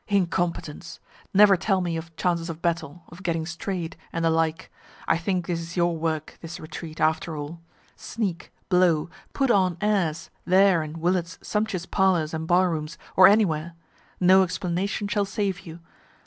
Incompetents! never tell me of chances of battle, of getting stray'd, and the like. I think this is your work, this retreat, after all. Sneak, blow, put on airs there in Willard's sumptuous parlors and bar rooms, or anywhere no explanation shall save you.